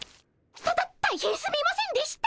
たた大変すみませんでした。